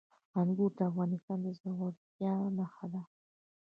انګور د افغانستان د زرغونتیا نښه ده.